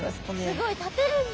すごい立てるんだ！